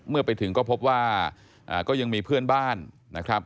เมื่อไปถึงก็พบว่าก็ยังมีเพื่อนบ้านนะครับ